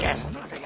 はい。